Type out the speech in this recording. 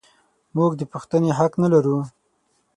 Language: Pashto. موږ د پوښتنې حق نه لرو.